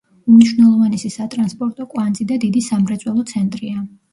უმნიშვნელოვანესი სატრანსპორტო კვანძი და დიდი სამრეწველო ცენტრია.